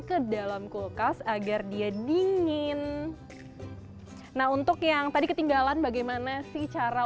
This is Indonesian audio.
ke dalam kulkas agar dia dingin nah untuk yang tadi ketinggalan bagaimana sih cara